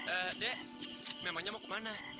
eh dek memangnya mau ke mana